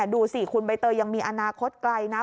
ดูสิคุณใบเตยยังมีอนาคตไกลนะ